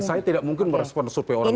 saya tidak mungkin merespon survei orang lain